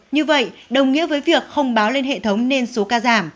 như vậy đồng nghĩa với việc không báo lên hệ thống nên số ca giảm